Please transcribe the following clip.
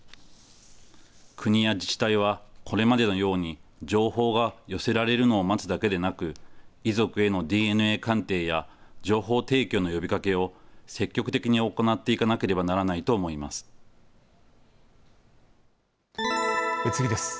国や自治体は、これまでのように、情報が寄せられるのを待つだけでなく、遺族へのＤＮＡ鑑定や、情報提供の呼びかけを、積極的に行っていかなければならないと思い次です。